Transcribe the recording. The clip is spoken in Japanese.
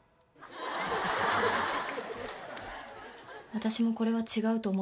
「私もこれは違うと思ってました」